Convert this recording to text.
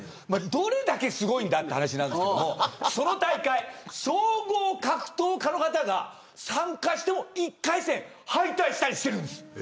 どれだけすごいんだという話ですがその大会、総合格闘家の方が参加しても１回戦、敗退したりしてるんです。